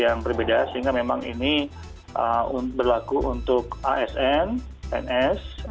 yang berbeda sehingga memang ini berlaku untuk asn ns